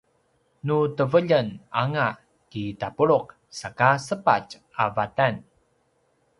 nu teveljen anga ki tapuluq saka sepatj a vatan